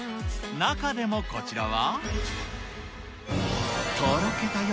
中でもこちらは。